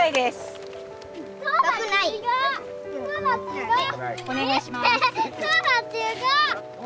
すごい！